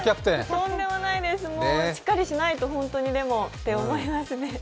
とんでもないですしっかりしないとって思いますね。